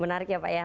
menarik ya pak ya